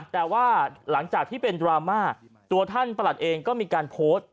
แต่ว่าหลังจากที่เป็นดราม่าตัวท่านประหลัดเองก็มีการโพสต์